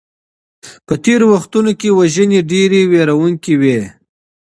په تيرو وختونو کي وژنې ډېرې ويرونکي وې.